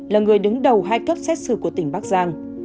là người đứng đầu hai cấp xét xử của tỉnh bắc giang